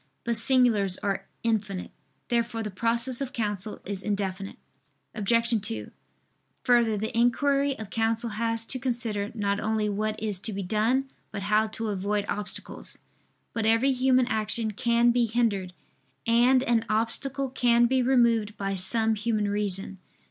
But singulars are infinite. Therefore the process of counsel is indefinite. Obj. 2: Further, the inquiry of counsel has to consider not only what is to be done, but how to avoid obstacles. But every human action can be hindered, and an obstacle can be removed by some human reason.